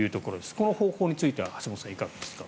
この方法については橋本さん、いかがですか？